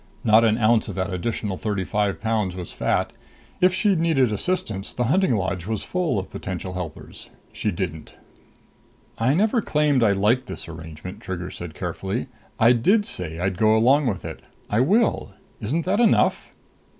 Not an ounce of that additional thirty five pounds was fat. If she'd needed assistance, the hunting lodge was full of potential helpers. She didn't. "I never claimed I liked this arrangement," Trigger said carefully. "I did say I'd go along with it. I will. Isn't that enough?"